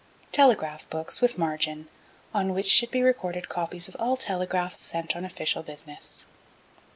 Telegraph Books with margin, on which should be recorded copies of all telegraphs sent on official business.